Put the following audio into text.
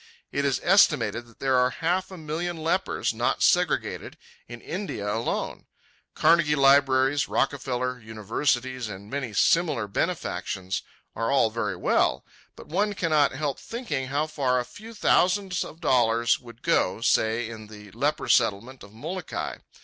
It is estimated that there are half a million lepers, not segregated, in India alone. Carnegie libraries, Rockefeller universities, and many similar benefactions are all very well; but one cannot help thinking how far a few thousands of dollars would go, say in the leper Settlement of Molokai.